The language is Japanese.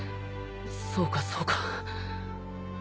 そうかそうか。